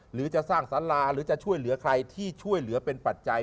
หรือจะสร้างสาราหรือจะช่วยเหลือใครที่ช่วยเหลือเป็นปัจจัย